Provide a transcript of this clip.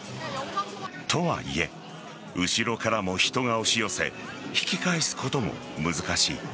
とはいえ後ろからも人が押し寄せ引き返すことも難しい。